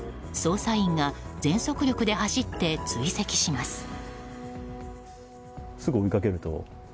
捜査員が全速力で走って追跡します。